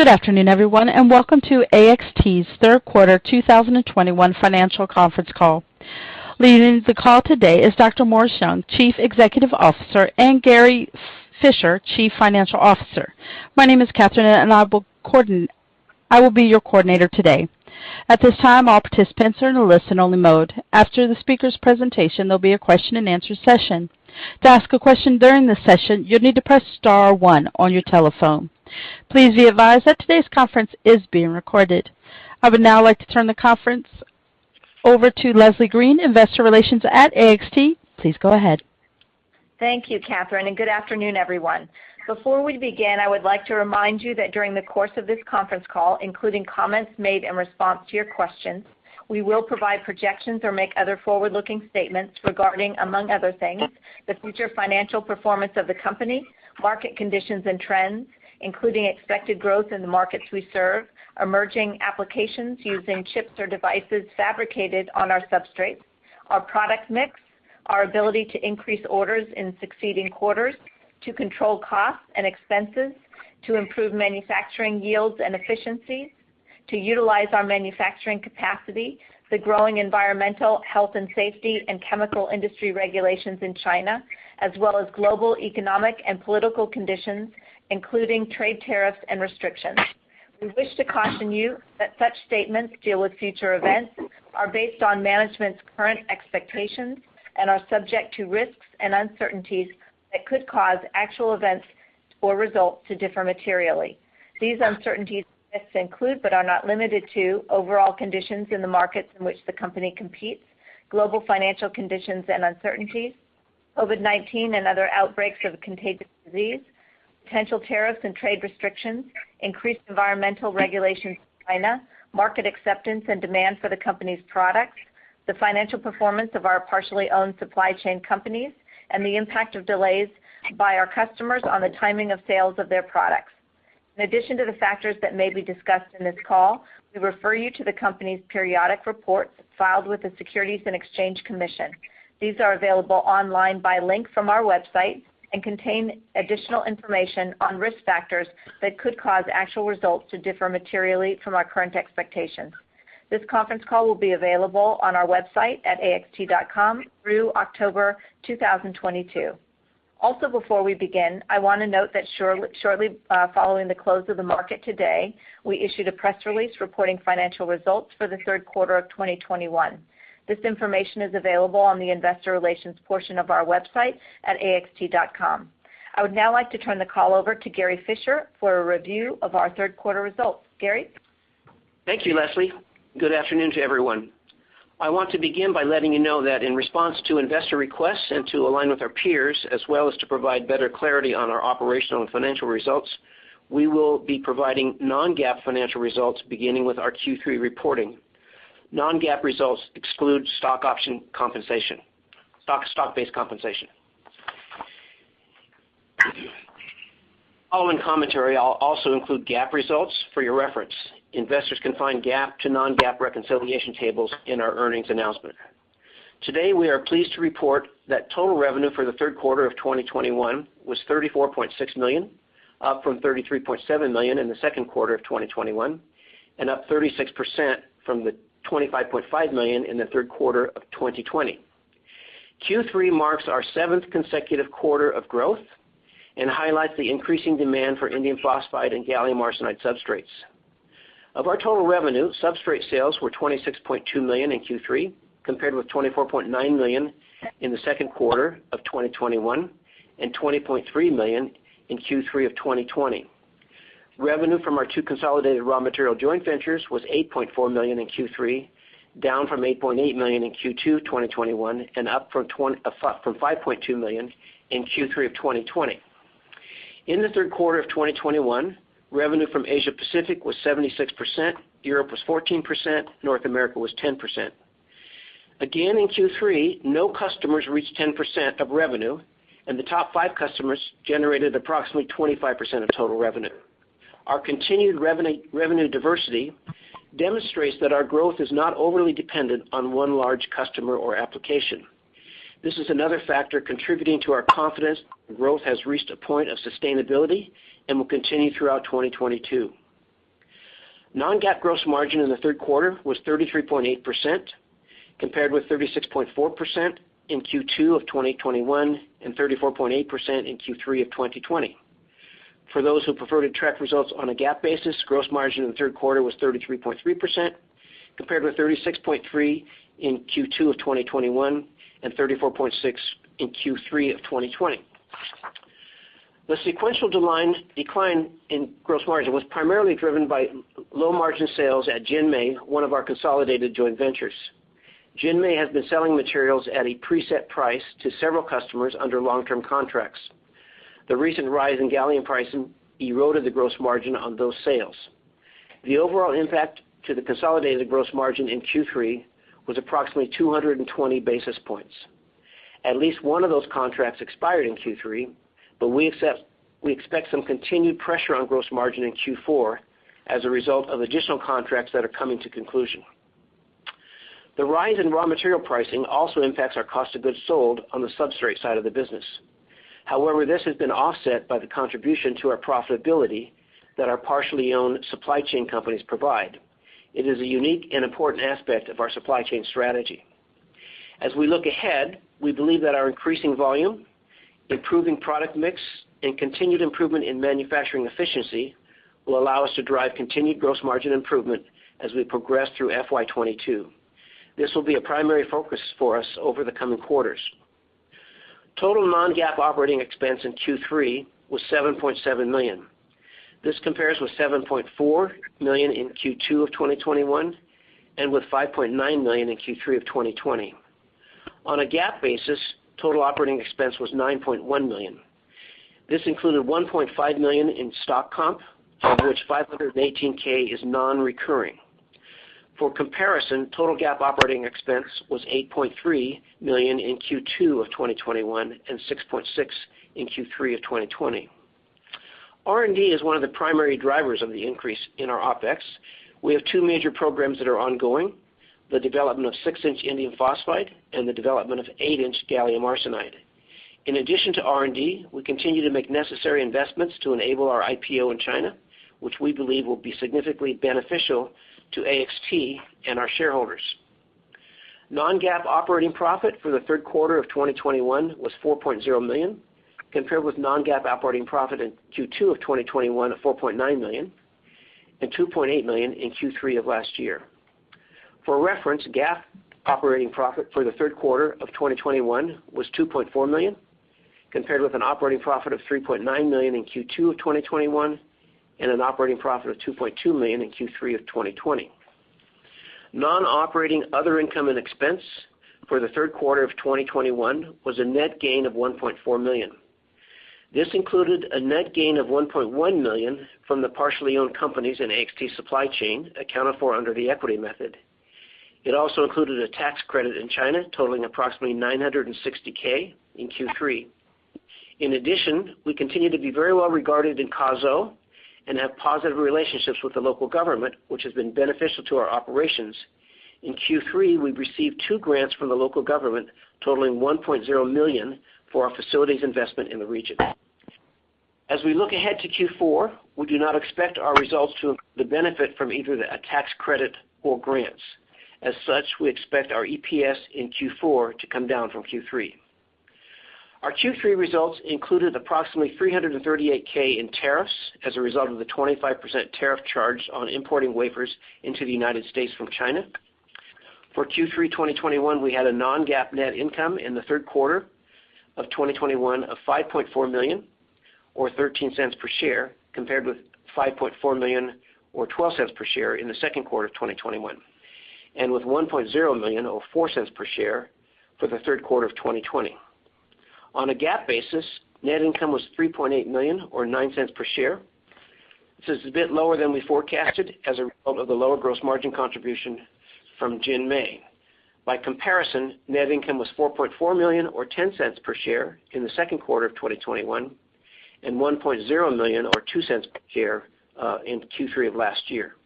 Good afternoon, everyone, and welcome to AXT's third quarter 2021 financial conference call. Leading the call today is Dr. Morris Young, Chief Executive Officer, and Gary Fischer, Chief Financial Officer. My name is Catherine, and I will be your coordinator today. At this time, all participants are in a listen-only mode. After the speaker's presentation, there'll be a question-and-answer session. To ask a question during this session, you'll need to press star one on your telephone. Please be advised that today's conference is being recorded. I would now like to turn the conference over to Leslie Green, Investor Relations at AXT. Please go ahead. Thank you, Catherine, and good afternoon, everyone. Before we begin, I would like to remind you that during the course of this conference call, including comments made in response to your questions, we will provide projections or make other forward-looking statements regarding, among other things, the future financial performance of the company, market conditions and trends, including expected growth in the markets we serve, emerging applications using chips or devices fabricated on our substrates, our product mix, our ability to increase orders in succeeding quarters, to control costs and expenses, to improve manufacturing yields and efficiencies, to utilize our manufacturing capacity, the growing environmental health and safety and chemical industry regulations in China, as well as global economic and political conditions, including trade tariffs and restrictions. We wish to caution you that such statements deal with future events, are based on management's current expectations, and are subject to risks and uncertainties that could cause actual events or results to differ materially. These uncertainties include, but are not limited to, overall conditions in the markets in which the company competes, global financial conditions and uncertainties, COVID-19 and other outbreaks of contagious disease, potential tariffs and trade restrictions, increased environmental regulations in China, market acceptance and demand for the company's products, the financial performance of our partially owned supply chain companies, and the impact of delays by our customers on the timing of sales of their products. In addition to the factors that may be discussed in this call, we refer you to the company's periodic reports filed with the Securities and Exchange Commission. These are available online by link from our website and contain additional information on risk factors that could cause actual results to differ materially from our current expectations. This conference call will be available on our website at axt.com through October 2022. Before we begin, I wanna note that shortly following the close of the market today, we issued a press release reporting financial results for the third quarter of 2021. This information is available on the investor relations portion of our website at axt.com. I would now like to turn the call over to Gary Fischer for a review of our third quarter results. Gary? Thank you, Leslie. Good afternoon to everyone. I want to begin by letting that in response to investor requests and to align with our peers, as well as to provide better clarity on our operational and financial results, we will be providing non-GAAP financial results beginning with our Q3 reporting. Non-GAAP results exclude stock-based compensation. Following commentary, I'll also include GAAP results for your reference. Investors can find GAAP to non-GAAP reconciliation tables in our earnings announcement. Today, we are pleased to report that total revenue for the third quarter of 2021 was $34.6 million, up from $33.7 million in the second quarter of 2021, and up 36% from the $25.5 million in the third quarter of 2020. Q3 marks our seventh consecutive quarter of growth and highlights the increasing demand for indium phosphide and gallium arsenide substrates. Of our total revenue, substrate sales were $26.2 million in Q3, compared with $24.9 million in the second quarter of 2021, and $20.3 million in Q3 of 2020. Revenue from our two consolidated raw material joint ventures was $8.4 million in Q3, down from $8.8 million in Q2 2021, and up from $5.2 million in Q3 of 2020. In the third quarter of 2021, revenue from Asia Pacific was 76%, Europe was 14%, North America was 10%. Again, in Q3, no customers reached 10% of revenue, and the top five customers generated approximately 25% of total revenue. Our continued revenue diversity demonstrates that our growth is not overly dependent on one large customer or application. This is another factor contributing to our confidence that growth has reached a point of sustainability and will continue throughout 2022. Non-GAAP gross margin in the third quarter was 33.8%, compared with 36.4% in Q2 of 2021, and 34.8% in Q3 of 2020. For those who prefer to track results on a GAAP basis, gross margin in the third quarter was 33.3%, compared with 36.3% in Q2 of 2021, and 34.6% in Q3 of 2020. The sequential decline in gross margin was primarily driven by low margin sales at JinMei, one of our consolidated joint ventures. JinMei has been selling materials at a preset price to several customers under long-term contracts. The recent rise in gallium pricing eroded the gross margin on those sales. The overall impact to the consolidated gross margin in Q3 was approximately 220 basis points. At least one of those contracts expired in Q3, but we expect some continued pressure on gross margin in Q4 as a result of additional contracts that are coming to conclusion. The rise in raw material pricing also impacts our cost of goods sold on the substrate side of the business. However, this has been offset by the contribution to our profitability that our partially owned supply chain companies provide. It is a unique and important aspect of our supply chain strategy. As we look ahead, we believe that our increasing volume, improving product mix, and continued improvement in manufacturing efficiency will allow us to drive continued gross margin improvement as we progress through FY 2022. This will be a primary focus for us over the coming quarters. Total non-GAAP operating expense in Q3 was $7.7 million. This compares with $7.4 million in Q2 of 2021, and with $5.9 million in Q3 of 2020. On a GAAP basis, total operating expense was $9.1 million. This included $1.5 million in stock comp, of which $518K is non-recurring. For comparison, total GAAP operating expense was $8.3 million in Q2 of 2021, and $6.6 million in Q3 of 2020. R&D is one of the primary drivers of the increase in our OpEx. We have two major programs that are ongoing, the development of six-inch indium phosphide and the development of eight-inch gallium arsenide. In addition to R&D, we continue to make necessary investments to enable our IPO in China, which we believe will be significantly beneficial to AXT and our shareholders. Non-GAAP operating profit for the third quarter of 2021 was $4.0 million, compared with non-GAAP operating profit in Q2 of 2021 of $4.9 million, and $2.8 million in Q3 of last year. For reference, GAAP operating profit for the third quarter of 2021 was $2.4 million, compared with an operating profit of $3.9 million in Q2 of 2021, and an operating profit of $2.2 million in Q3 of 2020. Non-operating other income and expense for the third quarter of 2021 was a net gain of $1.4 million. This included a net gain of $1.1 million from the partially owned companies in AXT's supply chain accounted for under the equity method. It also included a tax credit in China totaling approximately $960K in Q3. In addition, we continue to be very well regarded in Kazuo and have positive relationships with the local government, which has been beneficial to our operations. In Q3, we received two grants from the local government totaling $1.0 million for our facilities investment in the region. As we look ahead to Q4, we do not expect our results to benefit from either a tax credit or grants. As such, we expect our EPS in Q4 to come down from Q3. Our Q3 results included approximately $338K in tariffs as a result of the 25% tariff charge on importing wafers into the U.S. from China. For Q3 2021, we had a non-GAAP net income in the third quarter of 2021 of $5.4 million or $0.13 per share, compared with $5.4 million or $0.12 per share in the second quarter of 2021, and with $1.0 million or $0.04 per share for the third quarter of 2020. On a GAAP basis, net income was $3.8 million or $0.09 per share. This is a bit lower than we forecasted as a result of the lower gross margin contribution from JinMei. By comparison, net income was $4.4 million or $0.10 per share in the second quarter of 2021, and $1.0 million or $0.02 per share in Q3 of last year.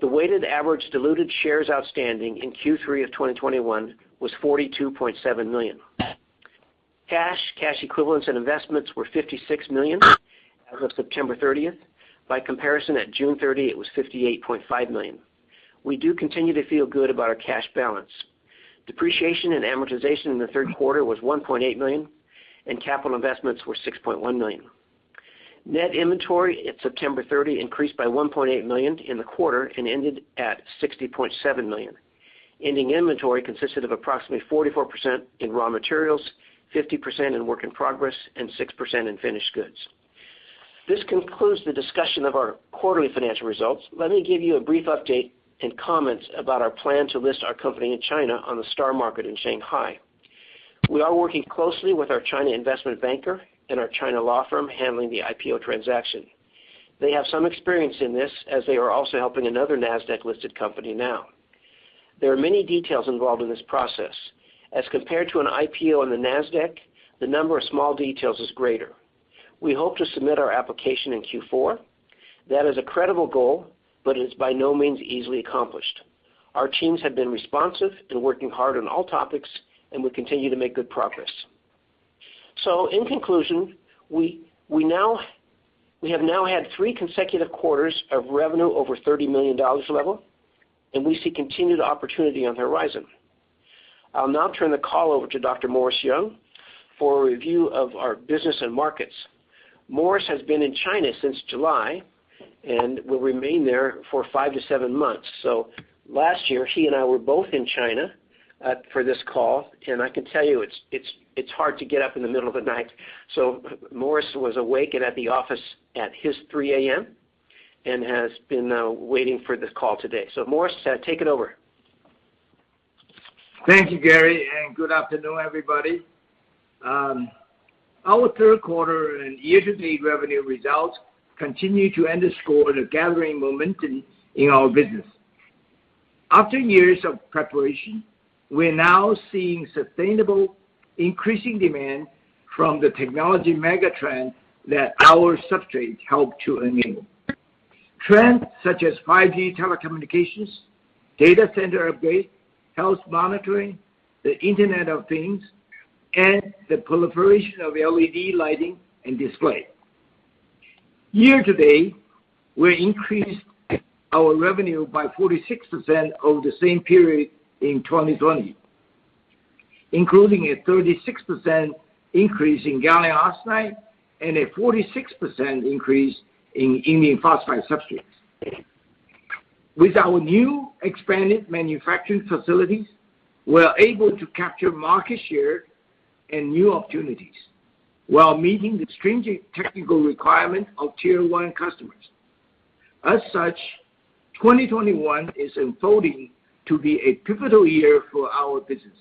The weighted average diluted shares outstanding in Q3 of 2021 was 42.7 million. Cash, cash equivalents and investments were $56 million as of September 30. By comparison, at June 30, it was $58.5 million. We do continue to feel good about our cash balance. Depreciation and amortization in the third quarter was $1.8 million, and capital investments were $6.1 million. Net inventory at September 30 increased by $1.8 million in the quarter and ended at $60.7 million. Ending inventory consisted of approximately 44% in raw materials, 50% in work in progress, and 6% in finished goods. This concludes the discussion of our quarterly financial results. Let me give you a brief update and comments about our plan to list our company in China on the STAR Market in Shanghai. We are working closely with our China investment banker and our China law firm handling the IPO transaction. They have some experience in this as they are also helping another Nasdaq-listed company now. There are many details involved in this process. As compared to an IPO on the Nasdaq, the number of small details is greater. We hope to submit our application in Q4. That is a credible goal, but it's by no means easily accomplished. Our teams have been responsive and working hard on all topics, and we continue to make good progress. In conclusion, we have now had three consecutive quarters of revenue over $30 million level, and we see continued opportunity on the horizon. I'll now turn the call over to Dr. Morris Young for a review of our business and markets. Morris has been in China since July and will remain there for 5-7 months. Last year, he and I were both in China for this call, and I can tell you it's hard to get up in the middle of the night. Morris was awake and at the office at his 3 A.M. and has been waiting for this call today. Morris, take it over. Thank you, Gary, and good afternoon, everybody. Our third quarter and year-to-date revenue results continue to underscore the gathering momentum in our business. After years of preparation, we're now seeing sustainable increasing demand from the technology mega-trend that our substrate help to enable. Trends such as 5G telecommunications, data center upgrade, health monitoring, the Internet of Things, and the proliferation of LED lighting and display. Year-to-date, we increased our revenue by 46% over the same period in 2020, including a 36% increase in gallium arsenide and a 46% increase in indium phosphide substrates. With our new expanded manufacturing facilities, we're able to capture market share and new opportunities while meeting the stringent technical requirement of tier one customers. As such, 2021 is unfolding to be a pivotal year for our business.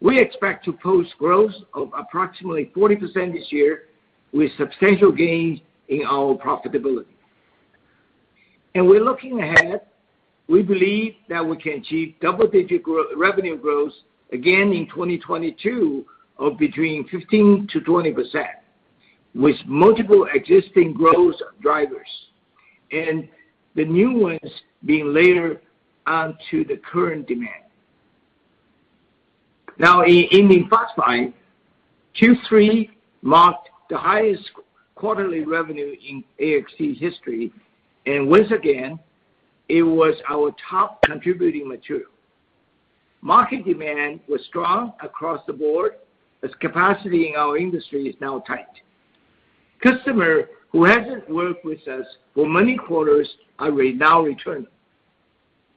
We expect to post growth of approximately 40% this year with substantial gains in our profitability. We're looking ahead, we believe that we can achieve double-digit revenue growth again in 2022 of between 15%-20%, with multiple existing growth drivers and the new ones being layered onto the current demand. Now, in indium phosphide, Q3 marked the highest quarterly revenue in AXT's history, and once again, it was our top contributing material. Market demand was strong across the board as capacity in our industry is now tight. Customers who haven't worked with us for many quarters are now returning,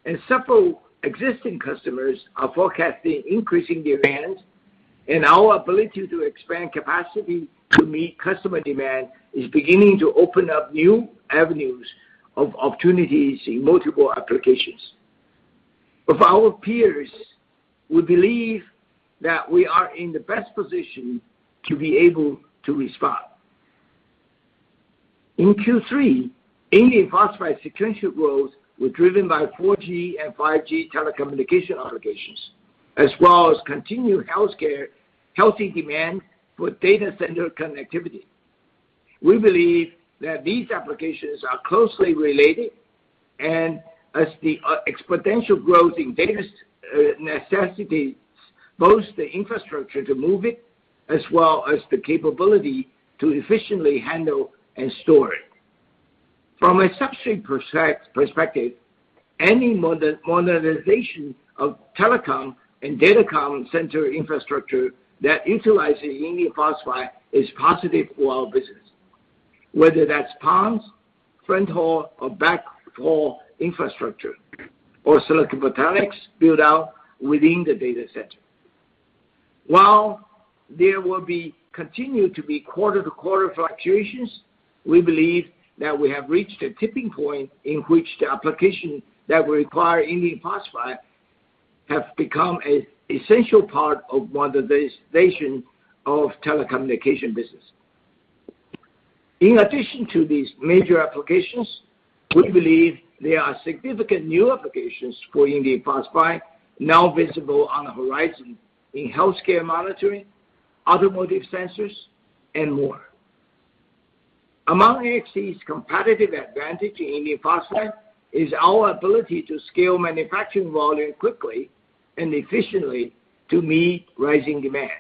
and several existing customers are forecasting increasing demand, and our ability to expand capacity to meet customer demand is beginning to open up new avenues of opportunities in multiple applications. Of our peers, we believe that we are in the best position to be able to respond. In Q3, indium phosphide sequential growth were driven by 4G and 5G telecommunication applications, as well as continued healthy demand for data center connectivity. We believe that these applications are closely related, and as the exponential growth in data storage necessitates both the infrastructure to move it as well as the capability to efficiently handle and store it. From a substrate perspective, any modernization of telecom and data center infrastructure that utilizes indium phosphide is positive for our business, whether that's front haul or back haul infrastructure or silicon photonics build out within the data center. While there will continue to be quarter-to-quarter fluctuations, we believe that we have reached a tipping point in which the applications that will require indium phosphide have become an essential part of modernization of telecommunications business. In addition to these major applications, we believe there are significant new applications for indium phosphide now visible on the horizon in healthcare monitoring, automotive sensors, and more. Among AXT's competitive advantages in indium phosphide is our ability to scale manufacturing volume quickly and efficiently to meet rising demand.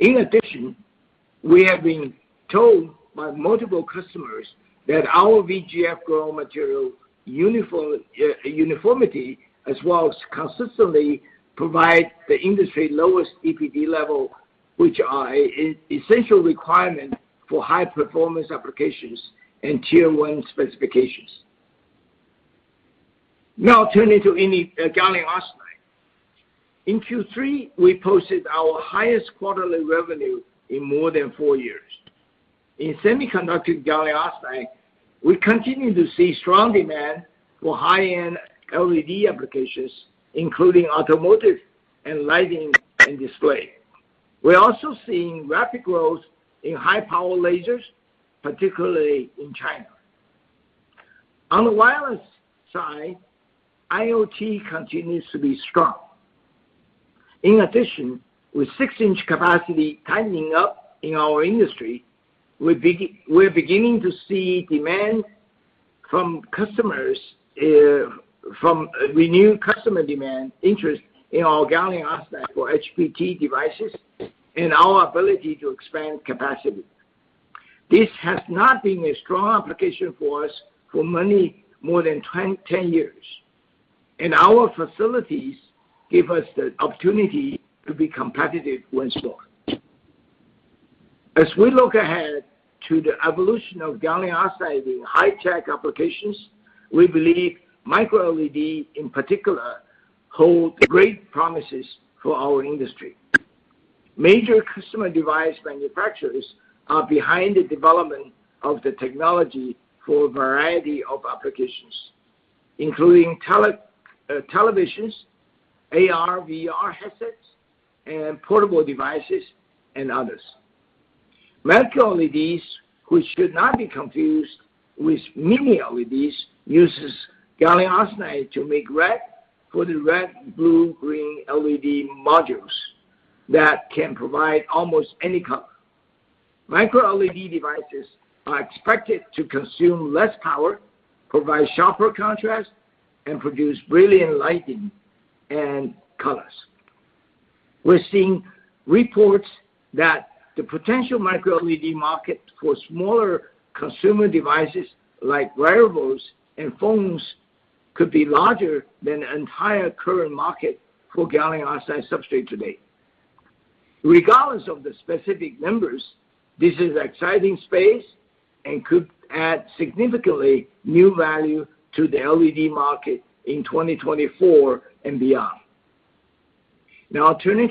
In addition, we have been told by multiple customers that our VGF-grown material uniformity as well as consistently provide the industry-lowest EPD levels which are essential requirements for high-performance applications and tier-one specifications. Now turning to gallium arsenide. In Q3, we posted our highest quarterly revenue in more than four years. In semiconductor gallium arsenide, we continue to see strong demand for high-end LED applications, including automotive and lighting and display. We're also seeing rapid growth in high power lasers, particularly in China. On the wireless side, IoT continues to be strong. In addition, with six-inch capacity tightening up in our industry, we're beginning to see demand from customers from renewed customer demand interest in our gallium arsenide for HBT devices and our ability to expand capacity. This has not been a strong application for us for many more than 10 years, and our facilities give us the opportunity to be competitive when short. As we look ahead to the evolution of gallium arsenide in high-tech applications, we believe MicroLED in particular hold great promises for our industry. Major customer device manufacturers are behind the development of the technology for a variety of applications, including televisions, AR/VR headsets and portable devices and others. MicroLEDs, which should not be confused with Mini LEDs, uses gallium arsenide to make red for the red, blue, green LED modules. That can provide almost any color. MicroLED devices are expected to consume less power, provide sharper contrast, and produce brilliant lighting and colors. We're seeing reports that the potential MicroLED market for smaller consumer devices like wearables and phones could be larger than the entire current market for gallium arsenide substrate today. Regardless of the specific numbers, this is exciting space and could add significantly new value to the LED market in 2024 and beyond. Now turning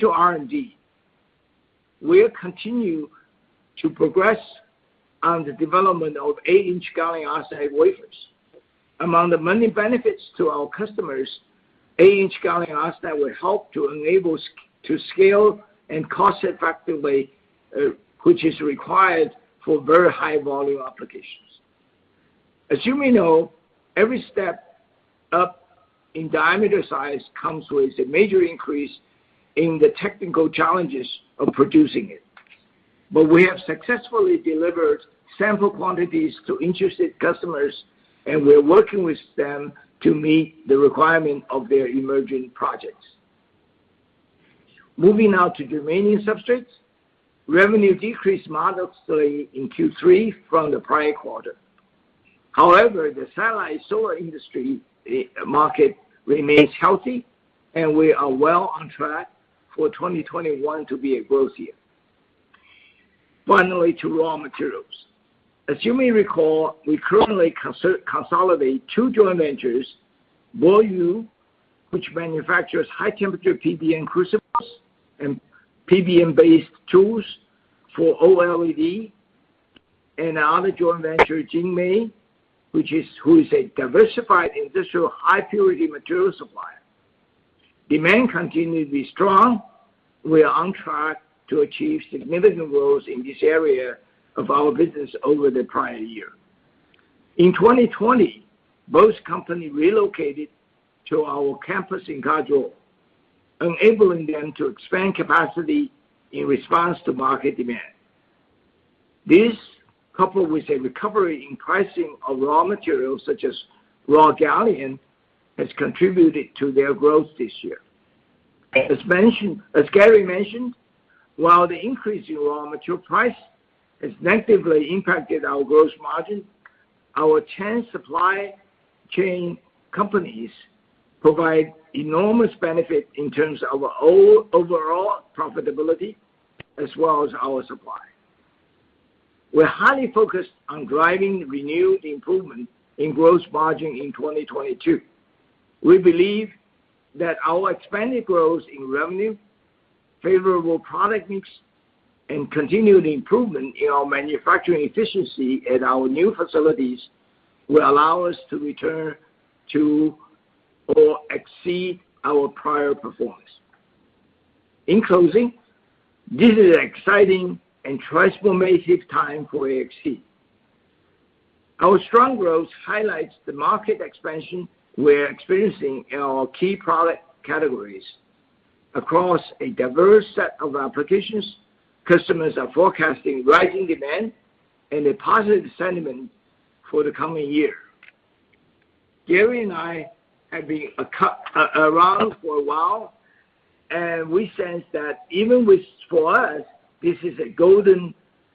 to R&D. We'll continue to progress on the development of 8-inch gallium arsenide wafers. Among the many benefits to our customers, eight-inch gallium arsenide will help to enable to scale and cost-effectively, which is required for very high-volume applications. As you may know, every step up in diameter size comes with a major increase in the technical challenges of producing it. We have successfully delivered sample quantities to interested customers, and we're working with them to meet the requirement of their emerging projects. Moving now to germanium substrates. Revenue decreased modestly in Q3 from the prior quarter. However, the satellite solar industry market remains healthy, and we are well on track for 2021 to be a growth year. Finally, to raw materials. As you may recall, we currently consolidate two joint ventures, BoYu, which manufactures high-temperature PBN crucibles and PBN-based tools for OLED, and our other joint venture, JinMei, which is a diversified industrial high-purity material supplier. Demand continued to be strong. We are on track to achieve significant growth in this area of our business over the prior year. In 2020, both companies relocated to our campus in Kazuo, enabling them to expand capacity in response to market demand. This, coupled with a recovery in pricing of raw materials, such as raw gallium, has contributed to their growth this year. As Gary mentioned, while the increase in raw material price has negatively impacted our gross margin, our supply chain companies provide enormous benefit in terms of overall profitability as well as our supply. We're highly focused on driving renewed improvement in gross margin in 2022. We believe that our expanded growth in revenue, favorable product mix, and continued improvement in our manufacturing efficiency at our new facilities will allow us to return to or exceed our prior performance. In closing, this is an exciting and transformative time for AXT. Our strong growth highlights the market expansion we're experiencing in our key product categories. Across a diverse set of applications, customers are forecasting rising demand and a positive sentiment for the coming year. Gary and I have been around for a while, and we sense that even with, for us, this is a golden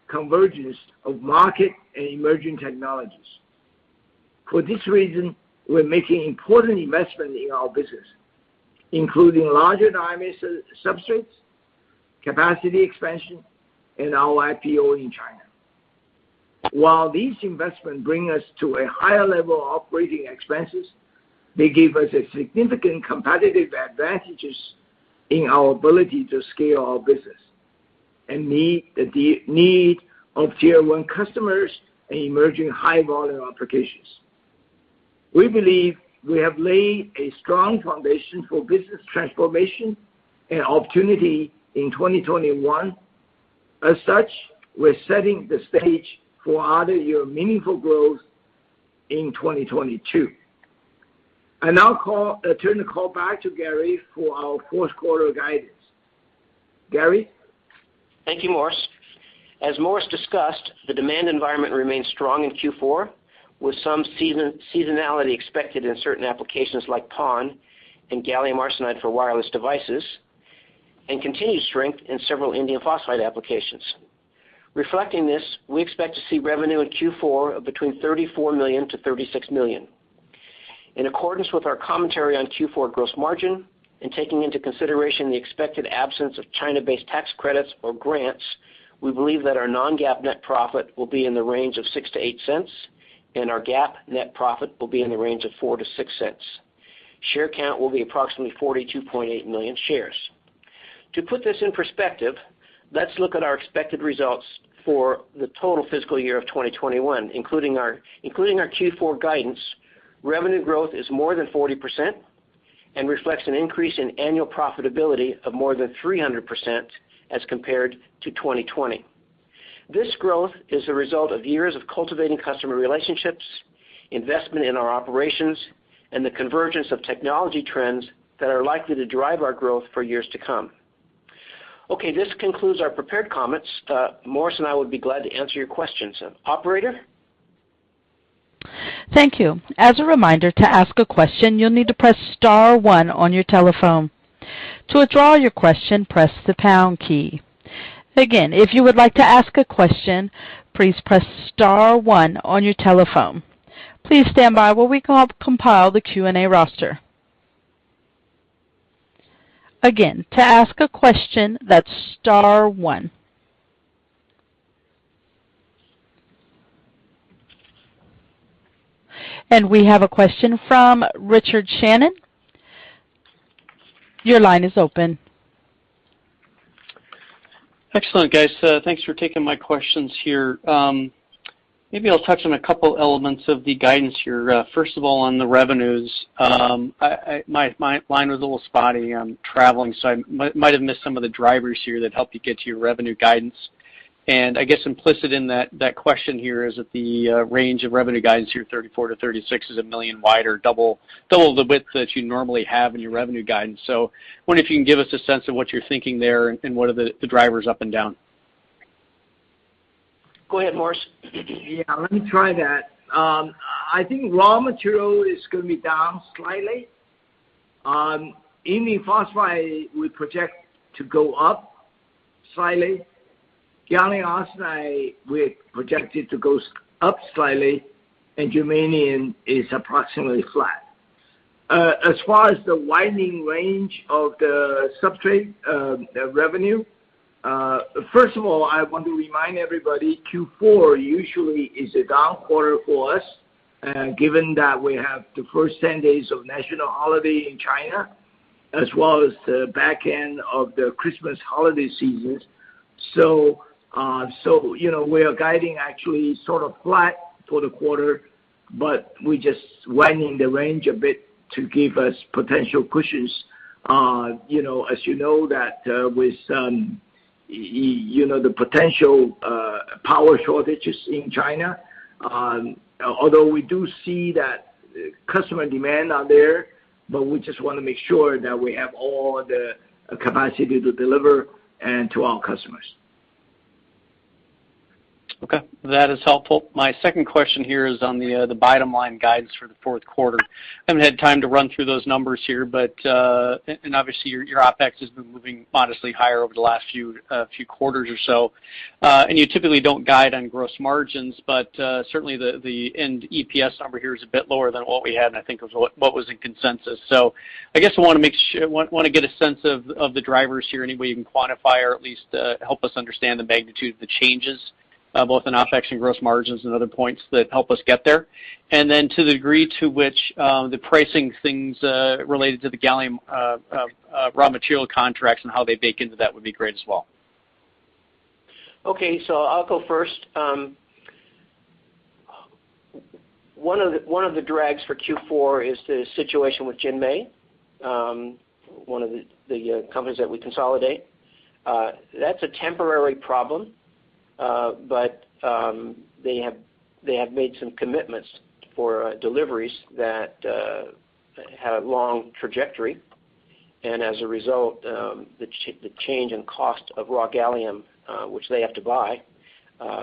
convergence of market and emerging technologies. For this reason, we're making important investment in our business, including larger diameter substrates, capacity expansion, and our IPO in China. While these investments bring us to a higher level of operating expenses, they give us a significant competitive advantages in our ability to scale our business and meet the demand of Tier One customers and emerging high-volume applications. We believe we have laid a strong foundation for business transformation and opportunity in 2021. As such, we're setting the stage for another year of meaningful growth in 2022. I now turn the call back to Gary for our fourth quarter guidance. Gary? Thank you, Morris. As Morris discussed, the demand environment remained strong in Q4, with some seasonality expected in certain applications like PON and gallium arsenide for wireless devices, and continued strength in several indium phosphide applications. Reflecting this, we expect to see revenue in Q4 of between $34 million and $36 million. In accordance with our commentary on Q4 gross margin and taking into consideration the expected absence of China-based tax credits or grants, we believe that our non-GAAP net profit will be in the range of $0.06-$0.08, and our GAAP net profit will be in the range of $0.04-$0.06. Share count will be approximately 42.8 million shares. To put this in perspective, let's look at our expected results for the total fiscal year of 2021, including our Q4 guidance. Revenue growth is more than 40% and reflects an increase in annual profitability of more than 300% as compared to 2020. This growth is a result of years of cultivating customer relationships, investment in our operations, and the convergence of technology trends that are likely to drive our growth for years to come. Okay, this concludes our prepared comments. Morris and I would be glad to answer your questions. Operator? Thank you. As a reminder, to ask a question, you'll need to press star one on your telephone. To withdraw your question, press the pound key. Again, if you would like to ask a question, please press star one on your telephone. Please stand by while we compile the Q&A roster. Again, to ask a question, that's star one. We have a question from Richard Shannon. Your line is open. Excellent, guys. Thanks for taking my questions here. Maybe I'll touch on a couple elements of the guidance here. First of all, on the revenues, my line was a little spotty. I'm traveling, so I might have missed some of the drivers here that helped you get to your revenue guidance. I guess implicit in that question here is that the range of revenue guidance here, $34 million-$36 million, is $1 million wider, double the width that you normally have in your revenue guidance. Wondering if you can give us a sense of what you're thinking there and what are the drivers up and down. Go ahead, Morris. Yeah, let me try that. I think raw material is gonna be down slightly. Indium phosphide we project to go up slightly. Gallium arsenide, we project it to go up slightly, and Germanium is approximately flat. As far as the widening range of the substrate revenue, first of all, I want to remind everybody Q4 usually is a down quarter for us, given that we have the first 10 days of national holiday in China as well as the back end of the Christmas holiday seasons. We are guiding actually sort of flat for the quarter, but we just widening the range a bit to give us potential cushions. As that the potential, power shortages in China, although we do see that customer demand out there, but we just wanna make sure that we have all the capacity to deliver and to our customers. Okay. That is helpful. My second question here is on the bottom line guidance for the fourth quarter. Haven't had time to run through those numbers here, but and obviously your OpEx has been moving modestly higher over the last few quarters or so. You typically don't guide on gross margins, but certainly the end EPS number here is a bit lower than what we had and I think it was what was in consensus. I guess I wanna get a sense of the drivers here, any way you can quantify or at least help us understand the magnitude of the changes, both in OpEx and gross margins and other points that help us get there. To the degree to which the pricing things related to the gallium raw material contracts and how they bake into that would be great as well. Okay. I'll go first. One of the drags for Q4 is the situation with JinMei, one of the companies that we consolidate. That's a temporary problem, but they have made some commitments for deliveries that have long trajectory. As a result, the change in cost of raw gallium, which they have to buy,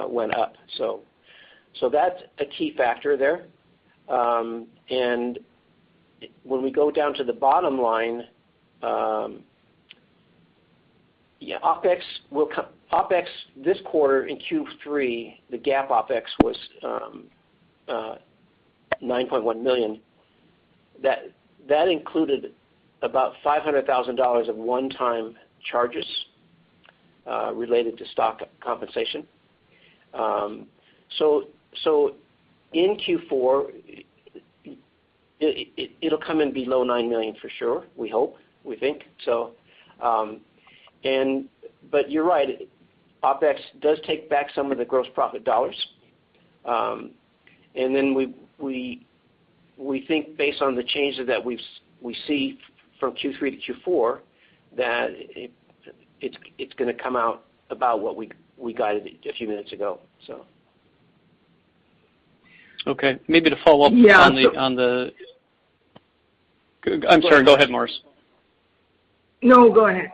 went up. That's a key factor there. When we go down to the bottom line, OpEx this quarter in Q3, the GAAP OpEx was $9.1 million. That included about $500,000 of one-time charges related to stock compensation. In Q4 it'll come in below $9 million for sure, we hope, we think. You're right, OpEx does take back some of the gross profit dollars. We think based on the changes that we see from Q3 to Q4, that it's gonna come out about what we guided a few minutes ago. Okay. Maybe to follow up. Yeah. I'm sorry. Go ahead, Morris. No, go ahead.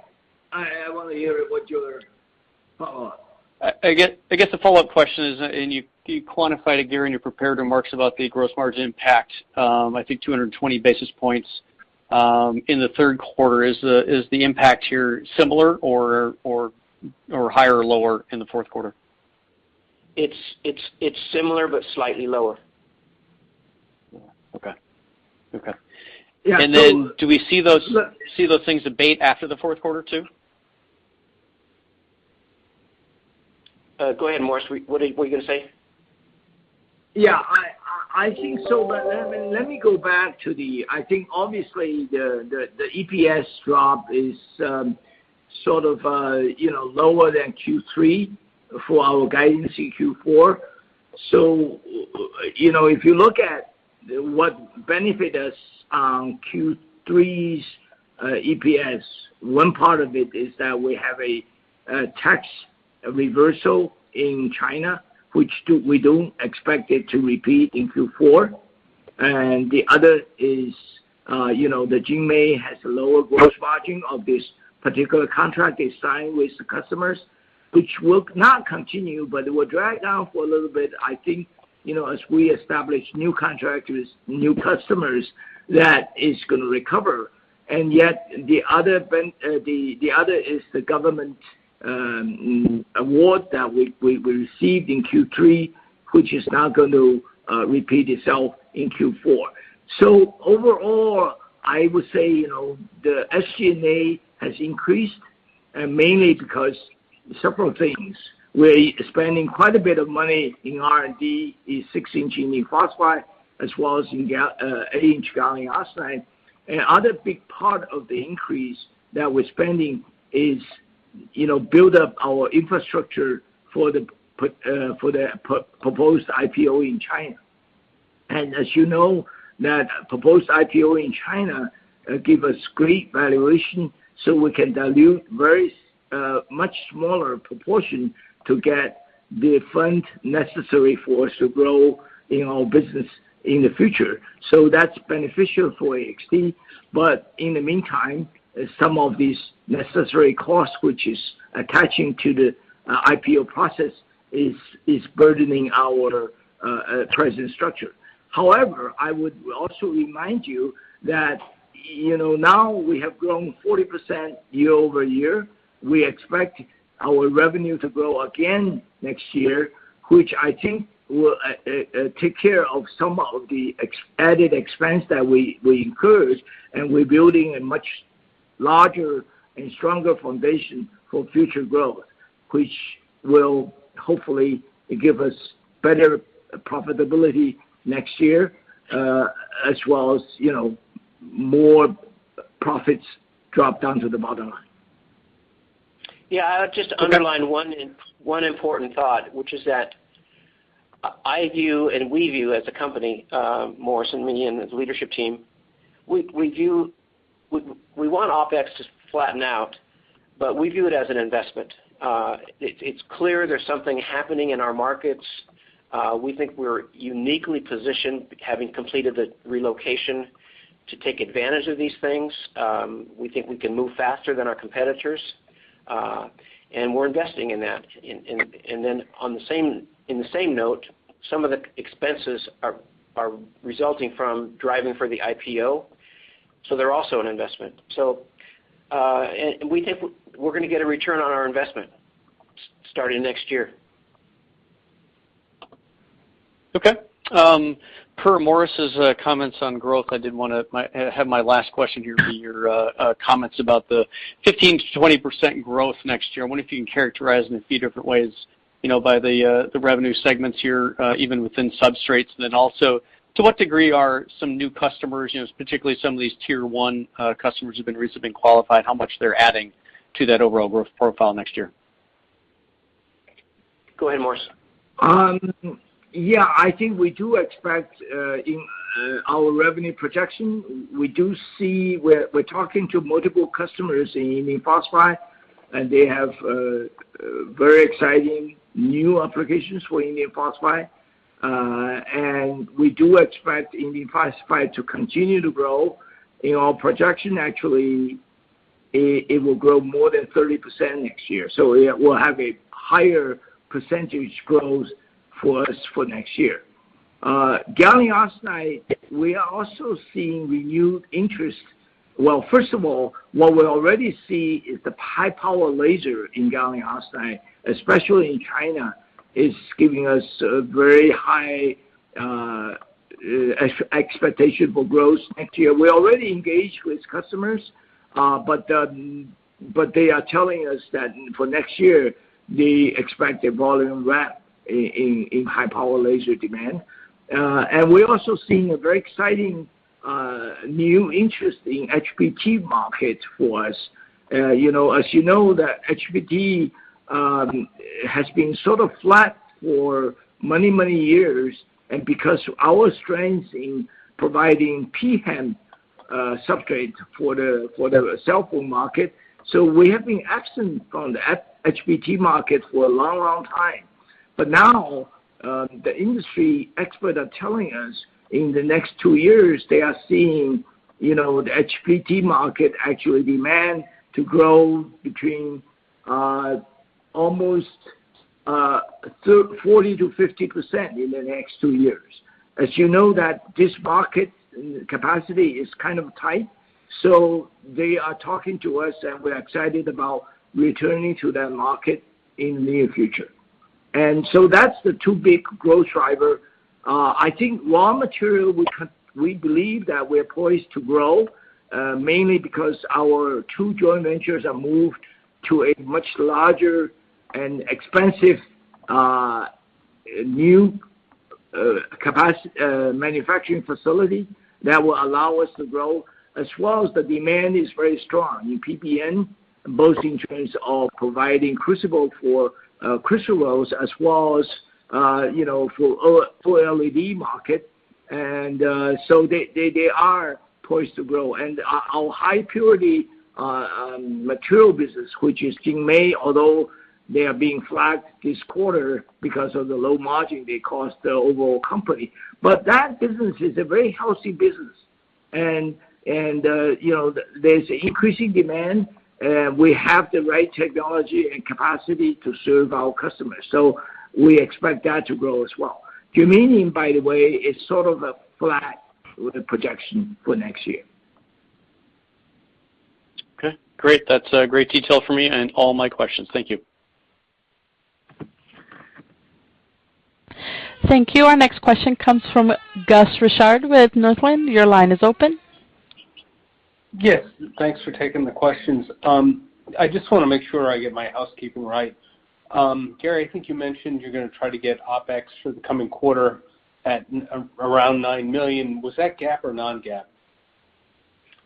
I wanna hear what your follow up. I guess the follow-up question is, you quantified again in your prepared remarks about the gross margin impact, I think 220 basis points, in the third quarter. Is the impact here similar or higher or lower in the fourth quarter? It's similar, but slightly lower. Yeah. Okay. Yeah. Do we see those? Look- See those things abate after the fourth quarter too? go ahead, Morris. What are you gonna say? Yeah. I think so. Let me go back to the. I think obviously the EPS drop is sort of lower than Q3 for our guidance in Q4. If you look at what benefit us on Q3's EPS one part of it is that we have a tax reversal in China which we don't expect it to repeat in Q4. And the other is the JinMei has lower gross margin of this particular contract they signed with the customers which will not continue but it will drag down for a little bit. I think as we establish new contractors new customers that is gonna recover. Yet the other is the government award that we received in Q3, which is now going to repeat itself in Q4. Overall, I would say, the SG&A has increased mainly because several things. We're spending quite a bit of money in R&D in 6-inch indium phosphide as well as in 8-inch gallium arsenide. Other big part of the increase that we're spending is, build up our infrastructure for the proposed IPO in China. As that proposed IPO in China give us great valuation, so we can dilute very much smaller proportion to get the fund necessary for us to grow in our business in the future. That's beneficial for AXT, but in the meantime, some of these necessary costs, which is attaching to the IPO process, is burdening our present structure. However, I would also remind you that, now we have grown 40% year-over-year. We expect our revenue to grow again next year, which I think will take care of some of the added expense that we incurred. We're building a much larger and stronger foundation for future growth, which will hopefully give us better profitability next year, as well as, more profits drop down to the bottom line. Yeah. I'll just underline one important thought, which is that I view and we view as a company, Morris and me and the leadership team, we view. We want OpEx to flatten out, but we view it as an investment. It's clear there's something happening in our markets. We think we're uniquely positioned, having completed the relocation, to take advantage of these things. We think we can move faster than our competitors, and we're investing in that. On the same note, some of the expenses are resulting from driving for the IPO, so they're also an investment. We think we're gonna get a return on our investment starting next year. Okay. Per Morris's comments on growth, I did want to have my last question here be your comments about the 15%-20% growth next year. I wonder if you can characterize in a few different ways, by the revenue segments here, even within substrates. Also, to what degree are some new customers, particularly some of these tier one customers who've been recently qualified, how much they're adding to that overall growth profile next year? Go ahead, Morris. I think we do expect in our revenue projection, we're talking to multiple customers in indium phosphide, and they have very exciting new applications for indium phosphide. We do expect indium phosphide to continue to grow. In our projection, actually, it will grow more than 30% next year. Yeah, we'll have a higher percentage growth for us for next year. Gallium arsenide, we are also seeing renewed interest. Well, first of all, what we already see is the high-power laser in gallium arsenide, especially in China, is giving us a very high expectation for growth next year. We already engaged with customers, but they are telling us that for next year, they expect a volume ramp in high-power laser demand. We're also seeing a very exciting new interest in HBT market for us. As the HBT has been sort of flat for many, many years, and because our strengths in providing pHEMT substrate for the cellphone market. We have been absent from the HBT market for a long, long time. Now, the industry expert are telling us in the next two years they are seeing, the HBT market actually demand to grow between almost 40%-50% in the next two years. As that this market capacity is kind of tight, so they are talking to us, and we're excited about returning to that market in near future. That's the two big growth driver. I think raw material, we believe that we're poised to grow, mainly because our two joint ventures have moved to a much larger and expensive, new, manufacturing facility that will allow us to grow, as well as the demand is very strong in PBN, both in terms of providing crucible for crystal growth as well as, for LED market. They are poised to grow. Our high purity, material business, which is JinMei, although they are being flagged this quarter because of the low margin they cost the overall company. That business is a very healthy business. There's increasing demand, we have the right technology and capacity to serve our customers. We expect that to grow as well. Germanium, by the way, is sort of flat with the projection for next year. Okay, great. That's great detail for me and all my questions. Thank you. Thank you. Our next question comes from Gus Richard with Northland. Your line is open. Yes, thanks for taking the questions. I just wanna make sure I get my housekeeping right. Gary, I think you mentioned you're gonna try to get OpEx for the coming quarter at around $9 million. Was that GAAP or non-GAAP?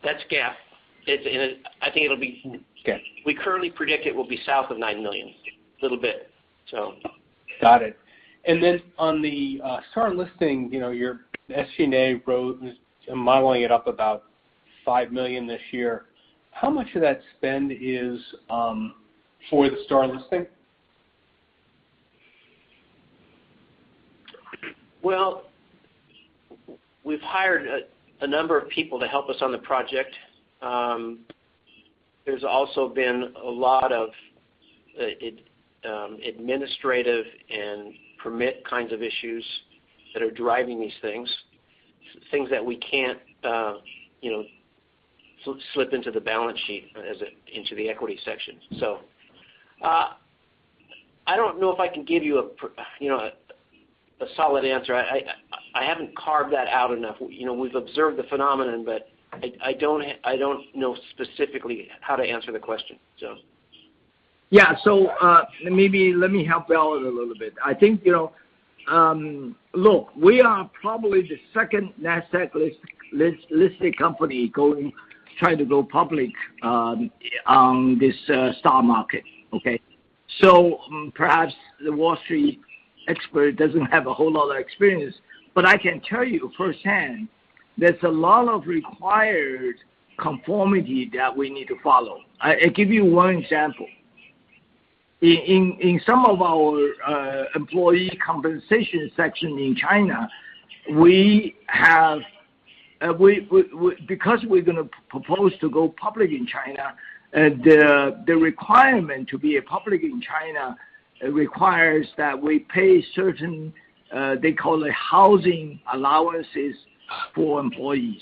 That's GAAP. I think it'll be Okay. We currently predict it will be south of $9 million, little bit. Got it. On the STAR listing, your SG&A growth is modeling it up about $5 million this year. How much of that spend is for the STAR listing? Well, we've hired a number of people to help us on the project. There's also been a lot of administrative and permit kinds of issues that are driving these things that we can't slip into the balance sheet into the equity section. I don't know if I can give you a, a solid answer. I haven't carved that out enough. We've observed the phenomenon, but I don't know specifically how to answer the question. Yeah. Maybe let me help out a little bit. I think, look, we are probably the second Nasdaq listed company going, trying to go public on this STAR Market, okay? Perhaps the Wall Street expert doesn't have a whole lot of experience, but I can tell you firsthand there's a lot of required conformity that we need to follow. I give you one example. In some of our employee compensation section in China, we have, because we're gonna propose to go public in China, the requirement to be public in China requires that we pay certain, they call it housing allowances for employees.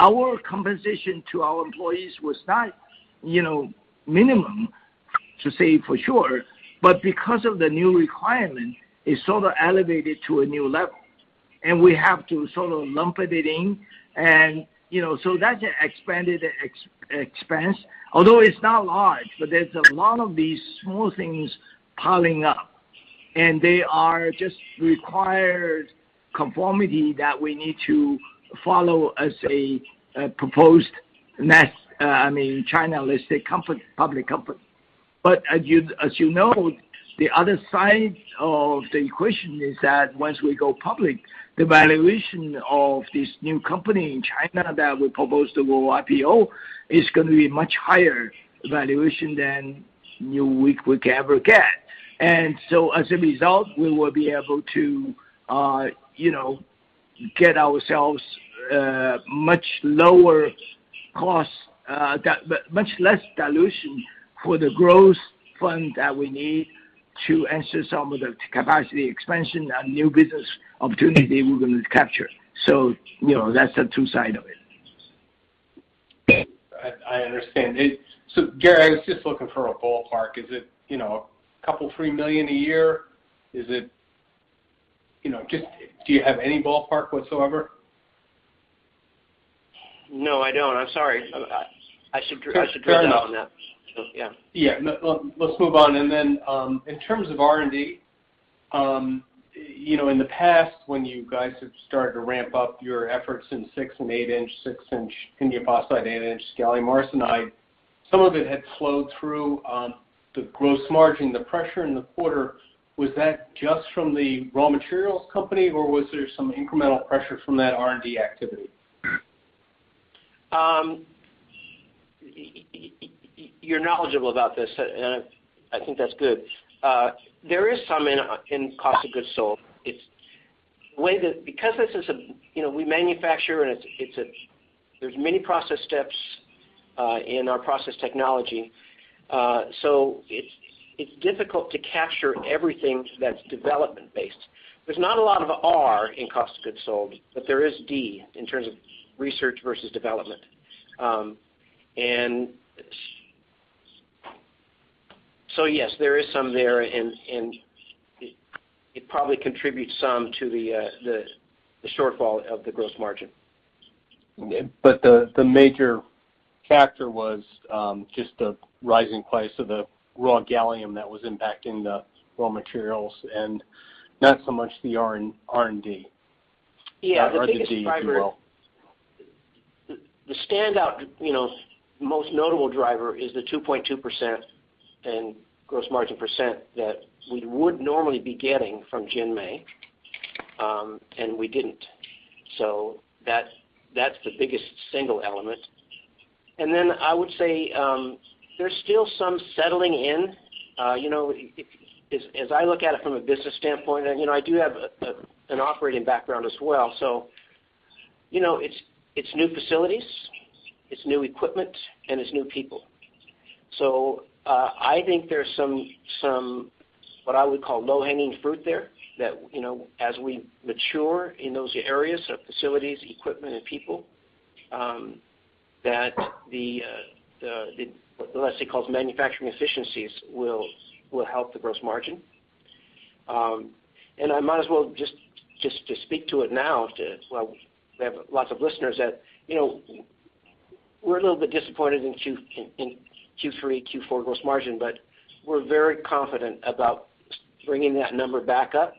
Our compensation to our employees was not, minimum, to say for sure, but because of the new requirement, it's sort of elevated to a new level, and we have to sort of lump it in. That's expanded expense, although it's not large, but there's a lot of these small things piling up, and they are just required conformity that we need to follow as a proposed, I mean, China-listed company, public company. As the other side of the equation is that once we go public, the valuation of this new company in China that we propose to go IPO is gonna be much higher valuation than what we could ever get. As a result, we will be able to, get ourselves much lower cost, but much less dilution for the growth fund that we need to enter some of the capacity expansion and new business opportunity we're gonna capture. That's the two sides of it. I understand. Gary, I was just looking for a ballpark. Is it, $2-$3 million a year? just do you have any ballpark whatsoever? No, I don't. I'm sorry. I should read up on that. Fair enough. Yeah. Yeah. Let's move on. Then, in terms of R&D, in the past, when you guys have started to ramp up your efforts in 6- and 8-inch, 6-inch indium phosphide, 8-inch gallium arsenide, some of it had flowed through the gross margin pressure in the quarter. Was that just from the raw materials company, or was there some incremental pressure from that R&D activity? You're knowledgeable about this, and I think that's good. There is some in cost of goods sold. Because this is, we manufacture and it's, there are many process steps in our process technology, so it's difficult to capture everything that's development based. There's not a lot of R in cost of goods sold, but there is D in terms of research versus development. Yes, there is some there, and it probably contributes some to the shortfall of the gross margin. The major factor was just the rising price of the raw gallium that was impacting the raw materials and not so much the R&D. Yeah. The biggest driver. the D, if you will The standout, most notable driver is the 2.2% gross margin that we would normally be getting from JinMei, and we didn't. That's the biggest single element. Then I would say, there's still some settling in. As I look at it from a business standpoint, and, I do have an operating background as well. It's new facilities, it's new equipment, and it's new people. I think there's some what I would call low-hanging fruit there that, as we mature in those areas. Facilities, equipment, and people, that the overall manufacturing efficiencies will help the gross margin. I might as well just to speak to it now to Well, we have lots of listeners that, we're a little bit disappointed in Q3, Q4 gross margin, but we're very confident about bringing that number back up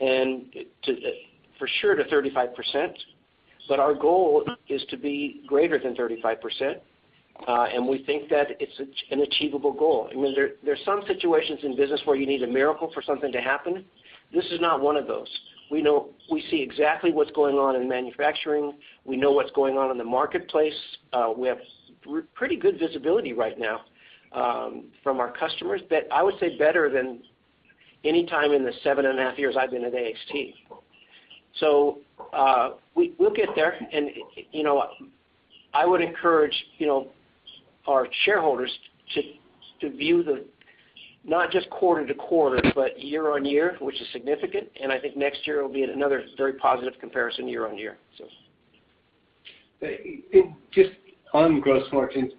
and for sure to 35%. Our goal is to be greater than 35%, and we think that it's an achievable goal. I mean, there's some situations in business where you need a miracle for something to happen. This is not one of those. We see exactly what's going on in manufacturing. We know what's going on in the marketplace. We have pretty good visibility right now from our customers that I would say better than any time in the seven and a half years I've been at AXT. We'll get there. I would encourage, our shareholders to view the not just quarter-to-quarter, but year-on-year, which is significant. I think next year will be another very positive comparison year-on-year, so. Just on gross margins.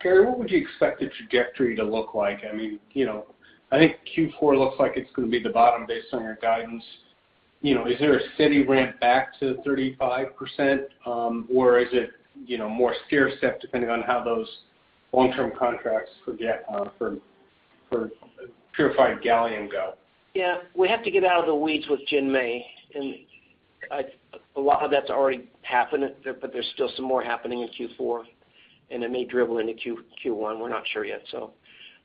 Gary, what would you expect the trajectory to look like? I mean, I think Q4 looks like it's gonna be the bottom based on your guidance. Is there a steady ramp back to 35%? Or is it, more stair step depending on how those long-term contracts for purified gallium go? Yeah. We have to get out of the weeds with JinMei. A lot of that's already happened, but there's still some more happening in Q4, and it may dribble into Q1. We're not sure yet.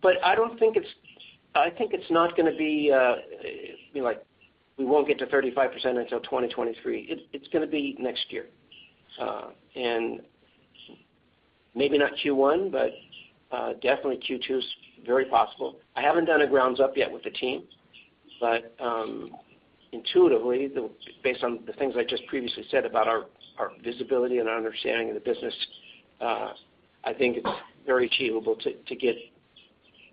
But I don't think it's gonna be, like, we won't get to 35% until 2023. It's gonna be next year. And maybe not Q1, but definitely Q2 is very possible. I haven't done a ground-up yet with the team, but intuitively, based on the things I just previously said about our visibility and our understanding of the business, I think it's very achievable to get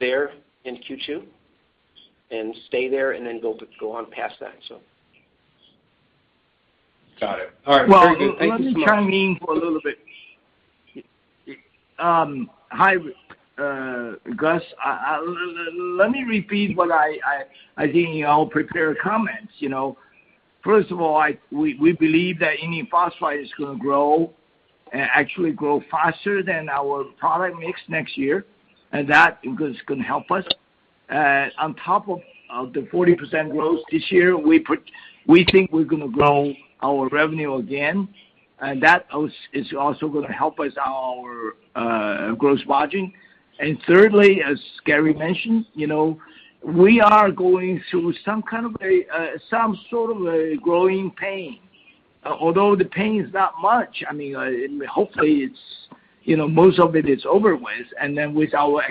there in Q2 and stay there and then go on past that. Got it. All right. Very good. Thank you so much. Well, let me chime in for a little bit. Hi, Gus. Let me repeat what I think I'll prepare comments. First of all, we believe that indium phosphide is gonna grow, actually grow faster than our product mix next year, and that is gonna help us. On top of the 40% growth this year, we think we're gonna grow our revenue again, and that also is gonna help us, our gross margin. Thirdly, as Gary mentioned, we are going through some sort of a growing pain. Although the pain is not much, I mean, hopefully it's, most of it is over with. With our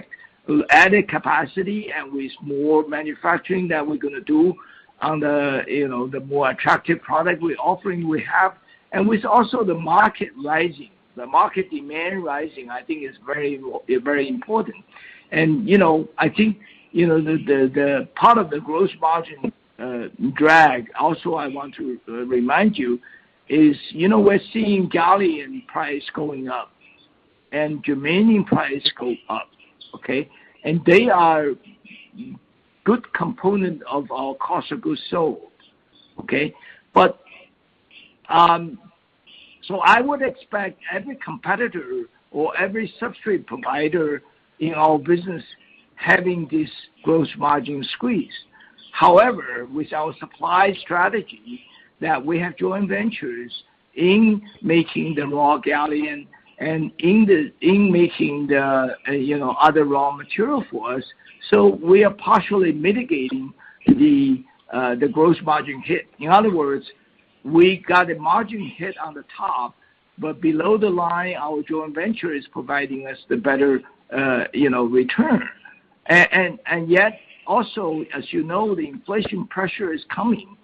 added capacity and with more manufacturing that we're gonna do on the, the more attractive product we're offering we have. With also the market rising, the market demand rising, I think is very, very important. I think, the part of the gross margin drag also I want to remind you is, we're seeing gallium price going up and germanium price go up, okay? They are good component of our cost of goods sold, okay? I would expect every competitor or every substrate provider in our business having this gross margin squeeze. However, with our supply strategy that we have joint ventures in making the raw gallium and in the, in making the other raw material for us. We are partially mitigating the gross margin hit. In other words, we got a margin hit on the top, but below the line, our joint venture is providing us the better return. Yet, also, as the inflation pressure is coming.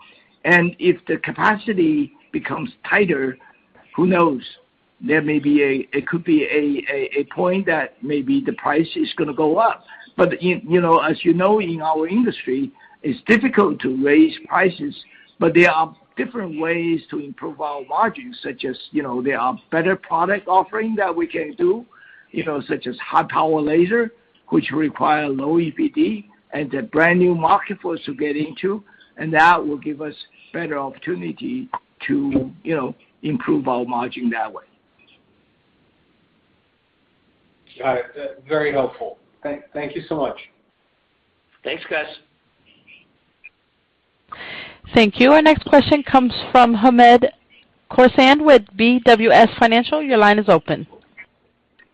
If the capacity becomes tighter, who knows? There may be a point that maybe the price is gonna go up. As in our industry, it's difficult to raise prices, but there are different ways to improve our margins, such as there are better product offering that we can do, such as high-power laser, which require low EPD and a brand-new market for us to get into, and that will give us better opportunity to improve our margin that way. All right. Very helpful. Thank you so much. Thanks, Gus. Thank you. Our next question comes from Hamed Khorsand with BWS Financial. Your line is open.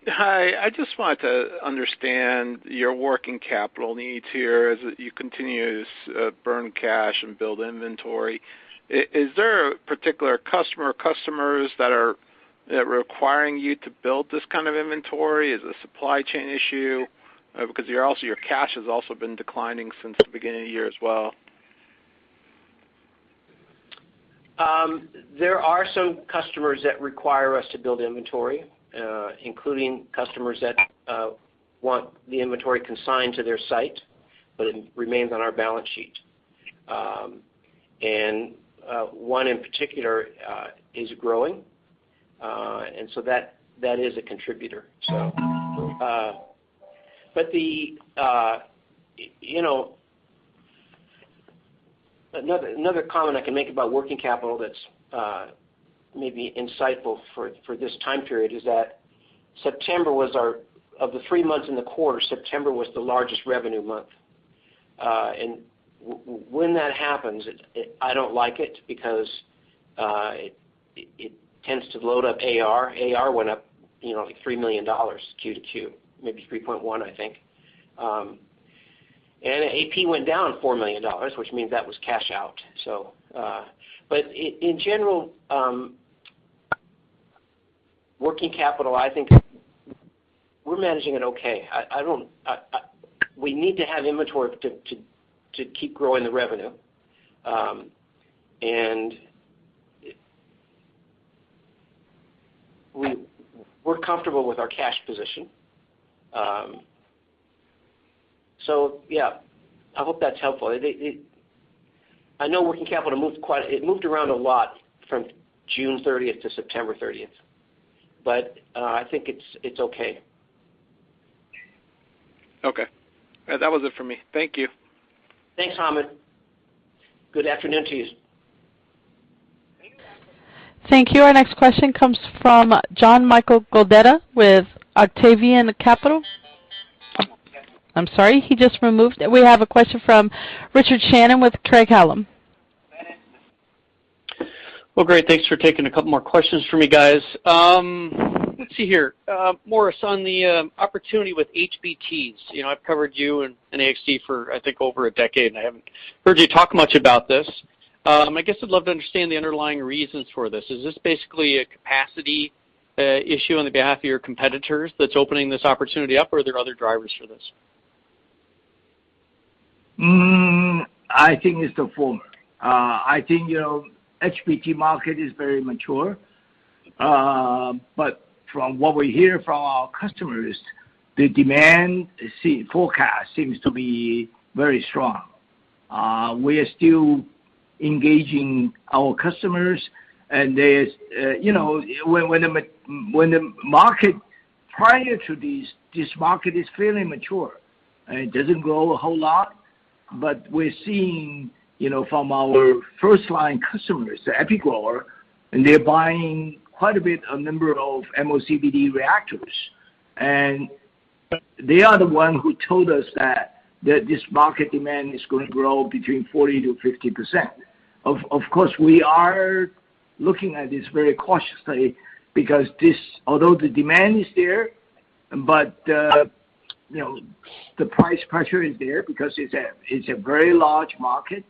Hi. I just wanted to understand your working capital needs here as you continue to burn cash and build inventory. Is there a particular customer or customers that are requiring you to build this kind of inventory? Is it a supply chain issue? Because your cash has also been declining since the beginning of the year as well. There are some customers that require us to build inventory, including customers that want the inventory consigned to their site, but it remains on our balance sheet. One in particular is growing. That is a contributor.. Another comment I can make about working capital that's maybe insightful for this time period is that of the three months in the quarter, September was the largest revenue month. When that happens, it I don't like it because it tends to load up AR. AR went up, like $3 million Q to Q, maybe 3.1, I think. AP went down $4 million, which means that was cash out. In general, working capital, I think we're managing it okay. We need to have inventory to keep growing the revenue. We're comfortable with our cash position. Yeah, I hope that's helpful. I know working capital moved around a lot from June thirtieth to September thirtieth, but I think it's okay. Okay. That was it for me. Thank you. Thanks, Hamed. Good afternoon to you. Thank you. Our next question comes from John Michael Godeta with Octavian Capital. I'm sorry, he just removed. We have a question from Richard Shannon with Craig-Hallum. Well, great. Thanks for taking a couple more questions for me, guys. Let's see here. Morris, on the opportunity with HBTs. I've covered you and AXT for, I think, over a decade, and I haven't heard you talk much about this. I guess I'd love to understand the underlying reasons for this. Is this basically a capacity issue on the behalf of your competitors that's opening this opportunity up, or are there other drivers for this? I think it's the former. I think, HBT market is very mature. But from what we hear from our customers, the demand forecast seems to be very strong. We are still engaging our customers, and there's, when the market prior to this market is fairly mature, and it doesn't grow a whole lot, but we're seeing, from our first line customers, the epi grower, and they're buying quite a bit, a number of MOCVD reactors. They are the one who told us that this market demand is gonna grow between 40%-50%. Of course, we are looking at this very cautiously because this. Although the demand is there, but, the price pressure is there because it's a very large market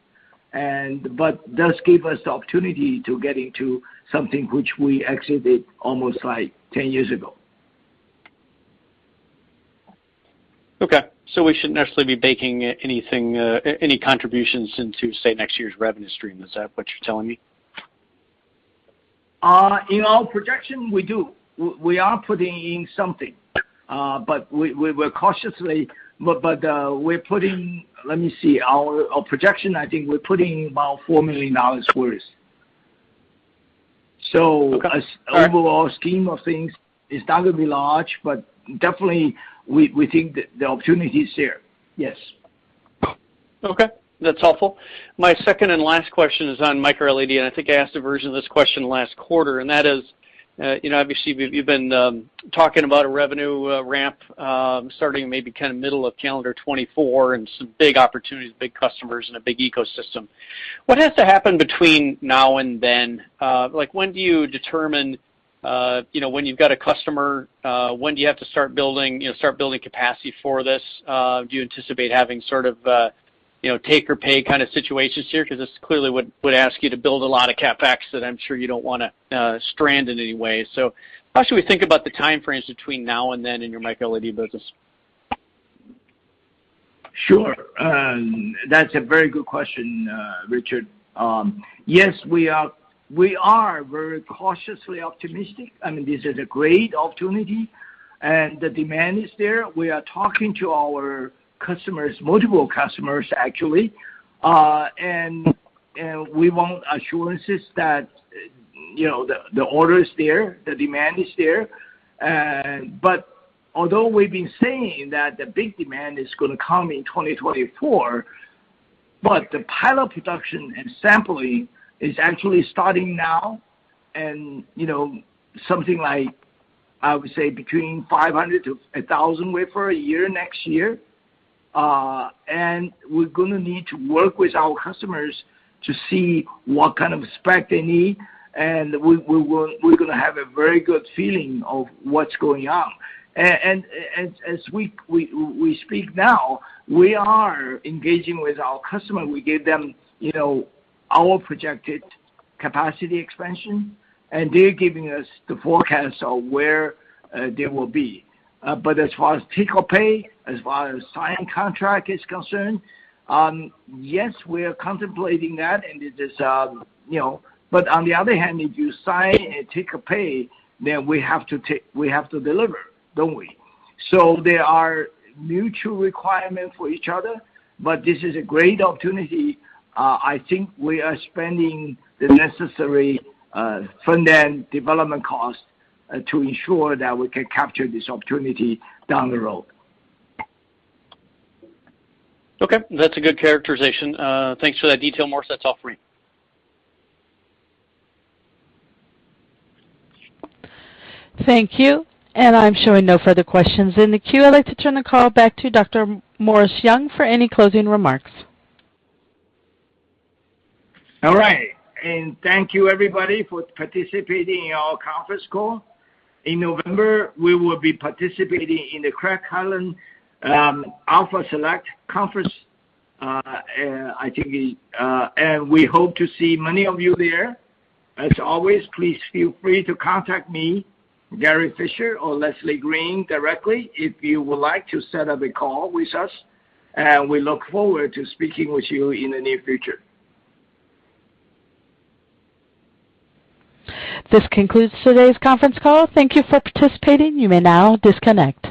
and but does give us the opportunity to get into something which we exited almost like 10 years ago. Okay, we shouldn't necessarily be baking anything, any contributions into, say, next year's revenue stream. Is that what you're telling me? In our projection, we do. We are putting in something. Let me see. Our projection, I think we're putting about $4 million worth. Okay. as overall scheme of things is not gonna be large, but definitely we think the opportunity is there. Yes. Okay, that's helpful. My second and last question is on MicroLED, and I think I asked a version of this question last quarter, and that is, obviously we've been talking about a revenue ramp starting maybe kind of middle of calendar 2024 and some big opportunities, big customers and a big ecosystem. What has to happen between now and then? Like, when do you determine, when you've got a customer, when do you have to start building capacity for this? Do you anticipate having sort of a, take or pay kind of situations here? 'Cause this clearly would ask you to build a lot of CapEx that I'm sure you don't wanna strand in any way. How should we think about the time frame between now and then in your MicroLED business? Sure. That's a very good question, Richard. Yes, we are very cautiously optimistic. I mean, this is a great opportunity and the demand is there. We are talking to our customers, multiple customers actually. We want assurances that, the order is there, the demand is there. But although we've been saying that the big demand is gonna come in 2024, but the pilot production and sampling is actually starting now. Something like I would say between 500-1,000 wafer a year next year. We're gonna need to work with our customers to see what kind of spec they need, and we will. We're gonna have a very good feeling of what's going on. As we speak now, we are engaging with our customer. We give them, our projected capacity expansion, and they're giving us the forecast of where they will be. But as far as take or pay, as far as signed contract is concerned, yes, we are contemplating that, and it is,. But on the other hand, if you sign a take or pay, then we have to deliver, don't we? So there are mutual requirements for each other, but this is a great opportunity. I think we are spending the necessary front-end development costs to ensure that we can capture this opportunity down the road. Okay. That's a good characterization. Thanks for that detail, Morris. That's all for me. Thank you. I'm showing no further questions in the queue. I'd like to turn the call back to Dr. Morris Young for any closing remarks. All right. Thank you everybody for participating in our conference call. In November, we will be participating in the Craig-Hallum Alpha Select Conference. We hope to see many of you there. As always, please feel free to contact me, Gary Fischer or Leslie Green directly if you would like to set up a call with us. We look forward to speaking with you in the near future. This concludes today's conference call. Thank you for participating. You may now disconnect.